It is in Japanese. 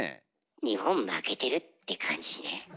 日本負けてるって感じしねえ？